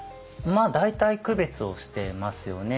まあ大体区別をしてますよね。